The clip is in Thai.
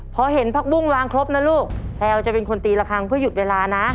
พอเห็นผักบุ้งวางครบนะลูกแพลวจะเป็นคนตีละครั้งเพื่อหยุดเวลานะ